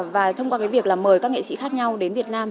và thông qua việc mời các nghệ sĩ khác nhau đến việt nam